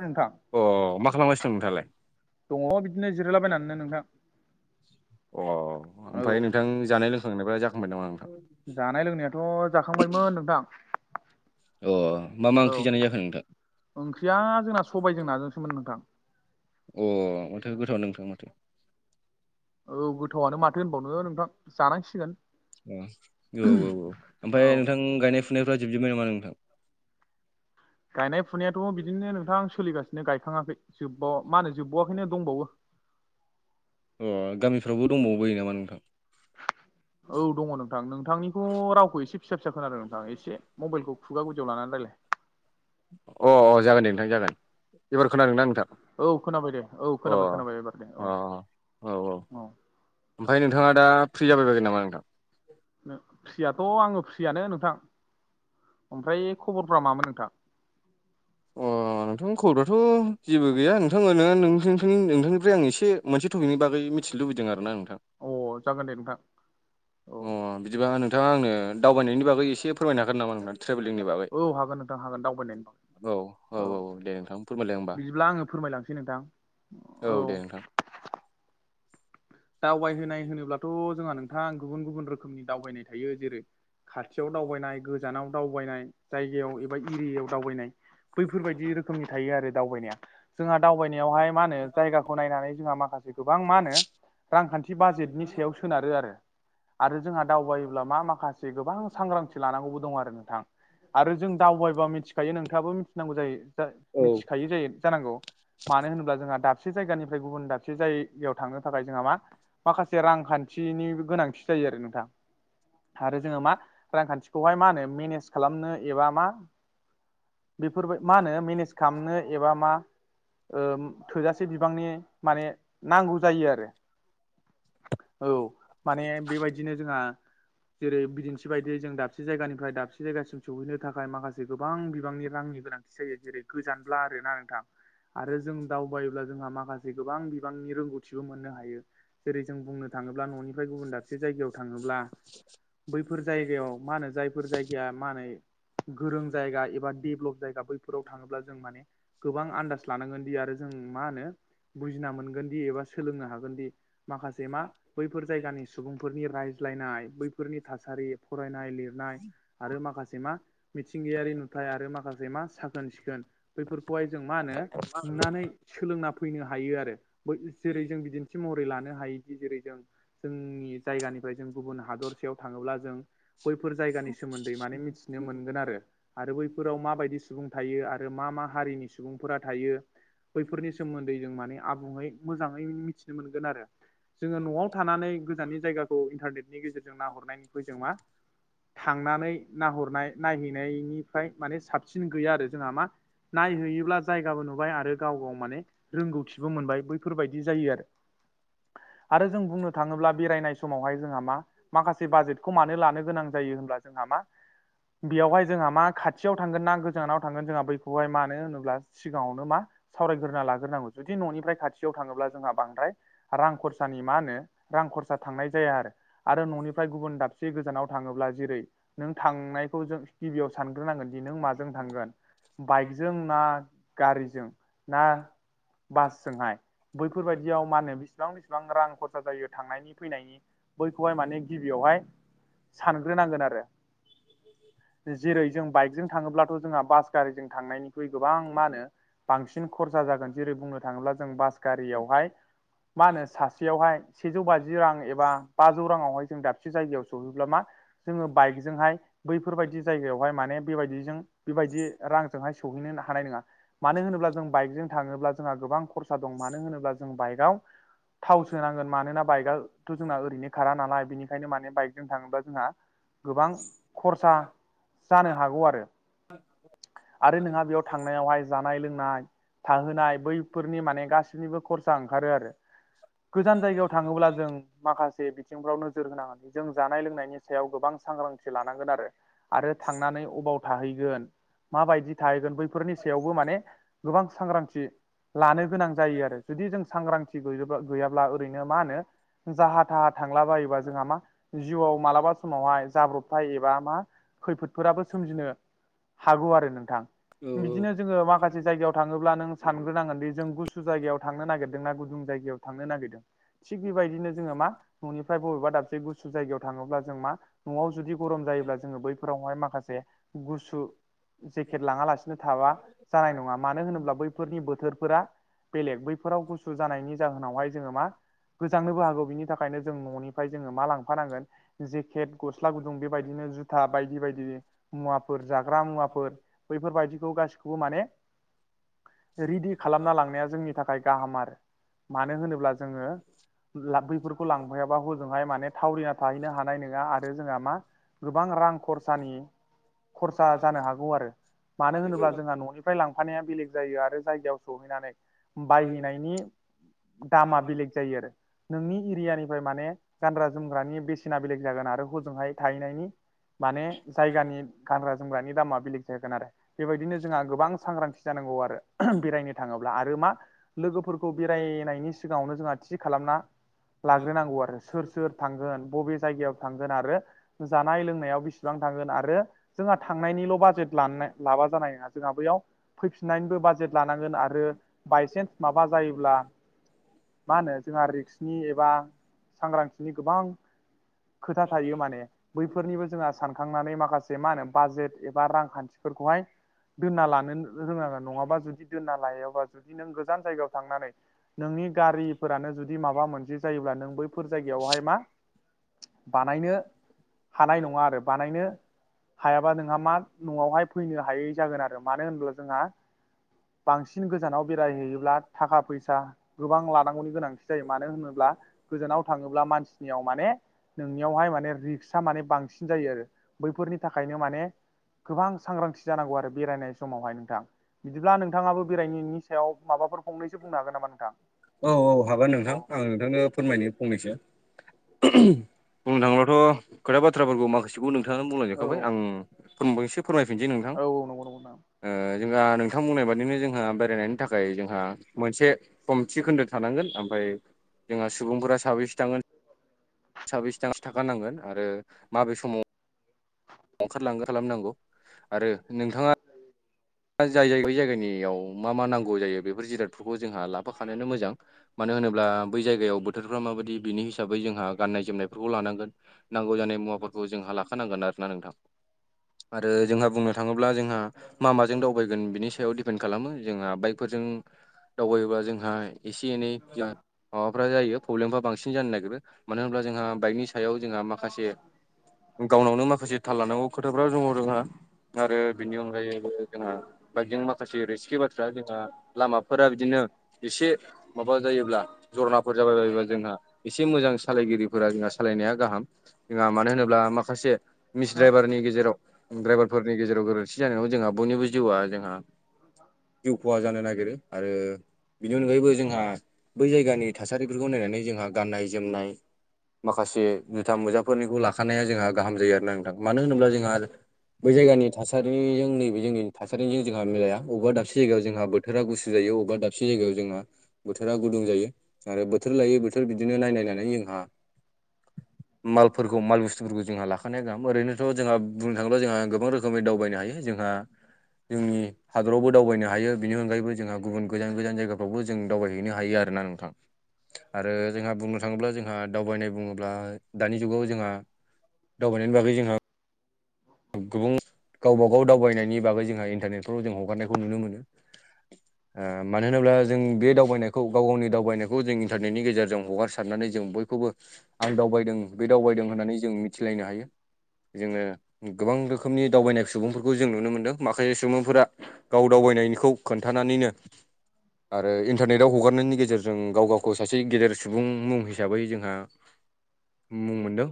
नोंथां अ मा खालामगासिनो दं नोंथाङालाय दङ बिदिनो जिरायलाबायनानैनो नोंथां अ आमफ्राय औ नोंथां जानाय लोंखांनायफ्रा जाखांबाय नामा नोंथां जानाय लोंनायाथ' जाखांबायमोन नोंथां अ मा मा औ ओंख्रि जानाय जाखो नोंथां ओंख्रिआ जोंना सबायजों नाजोंसोमोन नोंथां अ माथो गोथावानो नोंथां माथो औ गोथावआनो माथो होनबावनो नोंथां जानांसिगोन ओ औ औ औ औ आमफ्राय नोंथां गायनाय फुनायफ्रा जोबजोब्बाय नामा नोंथां गायनाय फुनायाथ' बिदिनो नोंथां सोलिगासिनो गायखाङाखै जोब्बाव मा होनो जोबबावाखैनो दंबावो ओ गामिफ्रावबो दंबावो बयो नामा नोंथां [inaudible] औ दङ नोंथां नोंथांनिखौ रावखौ एसे फिसा फिसा खोनादों नोंथां एसे मबाइलखौ खुगा गुदिआव लानानै रायलाय अ अ जागोन दे नोंथां जागोन एबार खोनादों ना नोंथां औ खोनाबाय दे औ अ खोनाबाय खोनाबाय एबार दे अ औ औ आमफ्राय नोंथा दा फ्रि जाबायबायगोन नामा नोंथां फ्रियाथ' आङो फ्रिआनो नोंथां आमफ्राय खबरफ्रा मामोन नोंथां ओ नोंथांनि खबरथ' जेबो गैया नोंथां आं ओरैनो नोंनि नोंथांनिफ्राय आं एसे मोनसे टपिकनि बागै मिथि मिथि लुबैदों आरो ना नोंथां अ जागोन दे नोंथां औ अ बिदिबा नोंथांआ आंनो दावबायनायनि बागै एसे फोरमायनो हागोन नामा नोंथा ट्रेभेलिंनि बागै औ हागोन नोंथां हागोन दावबायनायनि खौ औ औ दे नोंथां फोरमायलाय होमबा बिदिबा आङो फोरमायलांसै नोंथां औ दे नोंथां दावबायहोनाय होनोब्लाथ' जोंहा नोंथां गुबुन गुबुन रोखोमनि दावबायनाय थायो जेरै खाथिखव दावबायनाय गोजानाव दावबायनाय जायगायाव एबा एरियाआव दावबायनाय बैफोरबादि रोखोमनि थायो आरो दावबायनाया जोंहा दावबायनायावहाय मा होनो जायगाखौ नायनानै जोंहा माखासे गोबां मा होनो रांखान्थि बाजेथनि सायाव सोनारो आरो आरो जोंहा दावबायोब्ला मा माखासे गोबां सांग्रांथि लानांगौबो दं आरो नोंथां आरो जों दावबायबा मिथिखायो नोंथांआबो मिथिनांगौ जायो औ मिथिखायो जायो जानांगौ मानो होनोबा जोंहा दाबसे जायगानिफ्राय गुबुन दाबसे जायगायाव थांनो थाखाय जोंहा मा माखासे रांखान्थिनि गोनांथि जायो आरो नोंथा आरो जोङो मा रांखान्थिखौहाय माहोनो मेनेज खालामनो एबा मा बेफोरबा मा होनो मेनेज खालामनो एबा मा थोजासे बिबांनि माने नांगौ जायो आरो औ माने बेबायदिनो जोंहा जेरै बिदिन्थि बादियै जों दाबसे जायगानिफ्राय दाबसे जायगासिम सौहैनो थाखाय माखासे गोबां बिबांनि रांनि गोनां सो जेरै गोजानब्ला आरोना नोंथां आरो जों दावबायब्ला जोंहा माखासे गोबां बिबांनि रोंगौथिबो मोननो हायो जेरै जों बुंनो थाङोब्ला न'निफ्राय गुबुन दाबसे जायगायाव थाङोब्ला बैफोर जायगायाव मा होनो जाय बेफोर जायगाया मा होनो गोरों जायगा एबा डेभ'ल'प जायगा बैफोराव थाङोब्ला जों माने गोबां आनदाज लानांगोन दि आरो जों मा होनो बुजिना मोनगोनदि एबा सोलोंनो हागोनदि माखासे मा बैफोर जायगानि सु सुबुंफोरनि रायज्लायनाय बैफोरनि थासारि फरायनाय लिरनाय आरो माखासे मा मिथिंगायारि नुथाय आरो माखासे मा साखोन सिखोन बैफोरखौहाय जों मा होनो नुनानै सोलोंना फैनो हायो आरो जेरै जों बिदिन्थि महरै लानो हायोदि जेरै जों जोंनि जायगानिफ्राय जों गुबुन हादरसेयाव थाङोब्ला जों बैफोर जायगानि सोमोन्दै माने मिथिनो मोनगोन आरो आरो बैफोराव माबायदि सुबुं थायो आरो मा मा हारिनि सुबुंफोरा थायो बैफोरनि सोमोन्दै जों माने आबुङै मोजाङै मिथिनो मोनगोन आरो जोङो न'आव थानानै गोजाननि जायगाखौ इन्टारनेटनि गेजेरजों नाहरनायनिफ्राय जों मा थांनानै नाहरनाय नायहैनायनिफ्राय माने साबसिन गैया आरो जोंहा मा नायहैयोब्ला जायगाबो नुबाय आरो गाव गाव माने रोंगौथिबो मोनबाय बैफोरबायदि जायो आरो आरो जों बुंनो थाङोब्ला बेरायनाय समावहाय जोंहा मा माखासे बाजेटखौ मानो लानो गोनां जोयो होनबा जोंहा मा बेवहाय जोंहा खाथियाव ना गो जानाव थांगोन जोंहा बैखौहाय मानो होनोब्ला सिगाङावनो मा सावरायग्रोना लाग्रोनांगौ जुदि न'निफ्राय खाथियाव थाङोब्ला जोंहा बांद्राय रां खरसानि मा होनो रां खरसा थांनाय जाया आरो आरो न'निफ्राय गुबुन दाबसे गोजानाव थाङोब्ला जेरै नों थांनायखौ जों गिबियाव सानग्रोनांगोन दि नों माजों थांगोन बाइकजों ना गारिजों ना बासजोंहाय बैफोर बायदियाव मा होनो बेसेबां बिसिबां रां खरसा जायो थांनायनि फैनायनि बैखौहाय माने गिबियावहाय सानग्रोनांगोन आरो जेरै जों बाइकजों थाङोब्लाथ' जोंहा बास गारिजों थांनायनि ख्रुइ गोबां मा होनो बांसिन खरसा जागोन जेरै बुंनो थाङोब्ला जों बास गारियावहाय मा होनो सासेयावहाय सेजौ बाजि रां एबा बाजौ राङावहाय जों दाबसे जायगायाव सहैब्ला मा जोङो बाइकजोंहाय बैफोरबायदि जायगायावहाय माने बेबायदिजों बेबायदि रांजोंहाय सौहैनो हानाय नङा मानो होनोब्ला जों बाइकजों थाङोब्ला जोंहा गोबां खरसा दं मानो होनोब्ला जों बाइकआव थाव सोनांगोन मानोना बाइकआथ' जोंना ओरैनो खारा नालाय बेनिखायनो माने बाइकजों थाङोब्ला जोंहा गोबां खरसा जानो हागौ आरो आरो नोंहा बेयाव थांनायावहाय जानो जानाय लोंनाय थाहोनाय बैफोरनि माने गाससिनिबो खरसा ओंखारो आरो गोजान जायगायाव थाङोब्ला जों माखासे बिथिंफ्राव नोजोर होनाङोन जों जानाय लोंनायनि सायाव गोबां सांग्रांथि लानांगोन आरो आरो थांनानै अबाव थाहैगोन माबायदि थाहैगोन बैफोरनि सायावबो माने गोबां सांग्रांथि लानो गोनां जायो आरो जुदि जों सांग्रांथि गैयोबा गैयाब्ला ओरैनो मा होनो जाहाथा थांलायो जोंहा मा जिउआव मालाबा समावहाय जाब्रब थांय एबा मा खैफोदफोराबो सोमजिनो हागौ आरो नोंथां बिदिनो जोङो माखासे जायगायाव थाङोब्ला नों सानग्रोनांगोनदि जों गुसु जायगायाव थांनो नागिरदोंना गुदुं जायायाव थांनो नागिरदों थिग बेबायदिनो जोङो मा न'निफ्राय बबेबा दाबसे गुसु जायगायाव थाङोब्ला जों मा न'आव जुदि गरम जायोब्ला जोङो बैफोरावहाय माखासे गुसु जेकेट लाङालासिनो थाबा जानाय नङा मानो होनोब्ला बै फोरनि बोथोरफोरा बेलेग बैफोराव गुसु जानायनि जाहोनावहाय जोङो मा गोजांनोबो हागौ बिनि थाखायनो जों न'निफ्राय जोङो मा लांफानांगोन जेकेट गस्ला गुदुं बेबायदिनो जुथा बायदि बायदि मुवाफोर जाग्रा मुवाफोर बैफोरबायाददिखौ गासिखौबो माने रेदि खालामना लांनाया जोंनि थाखाय गाहाम आरो मानो होनोब्ला जोङो बैफोरखौ लांफायाबा हजोंहाय माने थावरिना थाहैनो हानाय नङा आरो जोंहा मा गोबां रां खरसानि खरसा जानो हागौ आरो। मानो होनोब्ला जोंहा न'निफ्राय लांफानाया बेलेग जायो आरो जायगायाव सहैनानै बायहैनायनि दामा बेलेग जायो आरो नोंनि एरियानिफ्राय माने गानग्रा जोमग्रानि बेसेना बेलेग जागोन आरो हजोंहाय थाहैनायनि माने जायगानि गानग्रा जोमग्रानि दामा बेलेग जागोन आरो। बेबायदिनो जोंहा गोबां सांग्रांथि जानांगौ आरो बेरायनो थांङोब्ला आरो मा लोगोफोरखौ बेरायनायनि सिगांङावनो जोंहा थि खालामना लाग्रोनांगौ आरो सोर सोर थांगोन बबे जायगायाव थांगोन आरो जानाय लोंनायाव बेसेबां थांगोन आरो जोंहा थांनायनिल' बाजेट लानो लाबा जानाय नंङा जोंहा बैयाव फैफिननायनिबो बाजेट लानांगोन आरो बायसेन्स माबा जायोब्ला मा होनो जोंहा रिक्सनि एबा सांग्रांथिनि गोबां खोथा थायो माने बैफोरनिबो जोंहा सान खांनानै माखासे मा होनो बाजेट एबा रांखान्थिफोरखौहाय दोनना लानो रोङांबा नंङाबा जुदि दोनना लायोबा जुदि नों गोजान जायगायाव थांनानै नोंनि गारिफोरानो जुदि माबा मोनसे जायोब्ला नों बैफोर जायगायावहाय मा बानायनो हानाय नंङा आरो बानायनो हायाबा नोंहा मा न'आवहाय फैनो हायै जागोन आरो मानो होनब्ला जोंहा बांसिन गोजानाव बेरायहैयोब्ला थाखा फैस सा गोबां लानांगौनि गोनांथि जायो मानो होनोब्ला गोजानाव थांङोब्ला मानसिनियाव माने नोंनियावहाय माने रिक्सआ माने बांसिन जायो आरो बैफोरनि थाखायनो माने गोबां सांग्रांथि जानांगौ आरो बेरायनाय समावहाय नोंथां। बिदिब्ला नोंथांङाबो बेरायनायनि सायाव माबाफोर फंनैसो बुंनो हागोन नामा नोंथां? औ औ हागोन अ नोंथां औ आं नोंथांनो फोरमायनो फंनैसो बुंनो थांङोबथ' खोथा बाथ्राफोरखौ माखासेखौ नोंथांङा बुंलांजोबखाबाय आं फोमबो एसे फोरमायफिनसै नोंथां औ नंगौ नंगौ नोंथां ओ जेनबा थां बुंनाय बादिनो जोंहा बेरायनायनि थाखाय जोंहा मोनसे खम थि खोन्दो थानांगोन ओमफाय जोंहा सुबुंफोरा साबैसे थागोन साबेसे [unintelligible] नांगोन आरो माबे समाव ओंखारलांगो खालामनांगौ आरो नोंथांङा या जायै बै जायगानियाव मा मा नांगौ जायो बेफोर जिरादफोरखौ जोंहा लाफाखानायानो मोजां। मानो होनोब्ला बै जायगायाव बोथोरफ्रा माबायदि बिनि हिसाबै जोंहा गाननाय जोमनायफोरखौ लानांगोन। नांगौ जानाय मुवाफोरखौ जोंहा लाखानांगोन आर ना नोंथांखौ। आरो जोंहा बुंनो थांङोब्ला जोंहा मा मा जों दावबायगोन बिनि सायाव दिडपेन्ड खालामो जोंहा बाइकफोरजों दावबायोब्ला जोंहा एसे एनै माबाफ्रा जायो प्रब्लेमफ्रा बांसिन जानो नागिरो मानो होनब्ला जोंहा बाइकनि सायाव जोंहा माखासे गावनावनो माखासे थाल लानांगौ। खोथाफ्रा जोंङ जोंहा आरो बिनि अनगायैबो जोंहा बाइकजों माखासे रिस्कि बा दा जोंहा लामाफोरा बिदिनो एसे माबा जायोब्ला जरनाफोर जाबाय बायोब्ला जोंहा एसे मोजां सालायगिरिफोरा जोंहा सालायनाया गाहाम। जोंहा मानो होनोब्ला माखासे मिस हा द्राइभारनि गेजेराव द्राइभार फोरनि गेजेराव गोरोन्थि जानायाव जोंहा बयनिबो जिउआ जोंहा जिउ खहा जानो नागिरो आरो बिनि अनगायैबो जोंहा बै जायगानि थासारिफोरखौ नायनानै जोंहा गाननाय जोमनाय माखासे जुथा, मुजा फोरनिखौ लाखानाया जोंहा गाहाम जायो आरोना नोंथां मानो होनोब्ला जोंहा बै जायगानि थासारिजों जोंनि थासारिजों जोंहा मिलाया अबेबा दाबसे जायगायाव जोंहा बोथोरा गुसु जायो अबेबा दाबसे जायगायाव जोंहा बोथोरा गुदुं जायो आरो बोथोर लायै बोथोर बिदिनो नायनायनानै जोंहा मालफोरखौ माल बुस्थुफोरखौ जोंहा लाख खानाय गाहाम ओरैनोथ' जोंहा बुंनो थांङोब्ला जोंहा गोबां रोखोमै दावबायनो हायो जोंहा जोंनि हादरावबो दावबायनो हायो बेनि अनगायैबो जोंहा गुबुन गोजान गोजान जायगा फ्रावबो जों दावबायहैनो हायो आरोना नोंथां। आरो जोंहा बुंनो थाङोब्ला जोंहा दावबायनाय बुङोब्ला दानि जुगाव जोंहा दावबायनायनि बागै जोंहा [inaudible] गुबुन गावबागाव दावबायनायनि बागै जोंहा इन्टारनेटफ्राव जों हगारनायखौ नुनो मोनो। मानो होनोब्ला जों बे दावबायनायखौ गाव गावनि दावबायनाय खौ जों इन्टारनेटनि गेजेरजों हगारसारनानै जों बयखौबो आं दावबायदों बे दावबायदों होननानै जों मि‌ थिलायनो हायो जोङो गोबां रोखोमनि दावबायनाय सुबुंफोरखौ जों नुनो मोनदों। माखासे सुबुंफोरा गाव दावबायखौ खोन्थानानैनो आरो इन्टारनेटआव हगारनायनि गेजेरजों गाव गावखौ सासे गेदेर सुबुं मुं हिसाबै जोंहा मुं मोनदों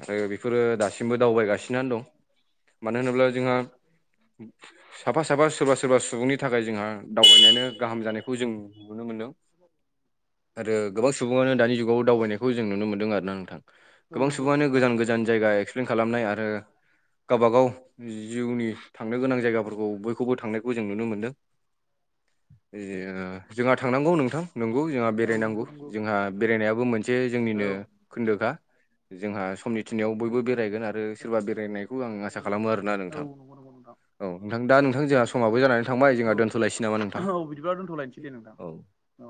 आरो बेफोरो दासिमबो दावबायगासिनोयानो दं। मानो होनोब्ला जोंहा साफा साफा सोरबा सोरबा सुबुंनि थाखाय जोंहा दावबायनायानो गाहाम जानायखौ जों नुनो मोनदों आरो गोबां सुबुङानो दानि जुगाव दावबायनाय खौ जों नुनो मोन्दों आरोना नोंथां औ गोबां नंगौ नंगौ सुबुङानो नोंथां गोजान गोजान जायगा एक्सप्लेन खालामनाय आरो गावबागाव जिउनि थांनो गोनां जायगाफोरखौ बो खौबो थांनायखौ जों नुनो मोनदों। जोंहा थांनांगौ नोंथां नंगौ जोंहा औ बेरायनांगौ नंगौ नंगौ जोंहा बेरायनायाबो मोनसे औ जोंनिनो खोन्दोगा जोंहा समनि थिनायाव बयबो बेरायगोन आरो सोरबा बेरायनायखौ आं आसा खालामो आरो। ना नोंथां नंगौ नंगौ नोंथां औ नोंथां दा नोंथां जोंहा समाबो जानानै थांबाय जोंहा दोन्थ'लायसै नामा नोंथां? दोन्थ'लायनोसै दे नोंथां औ औ।